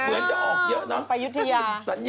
เหมือนจะออกเยอะเนอะ